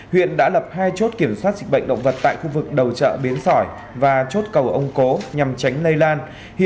huyện đã lập hai chốt kiểm soát dịch bệnh động vật tại khu vực đầu chợ biến sỏi và chốt cầu ông cố nhằm tránh lây lan